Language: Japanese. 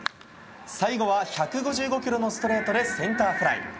最後は１５５キロのストレートでセンターフライ。